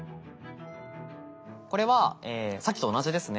これはえさっきと同じですね。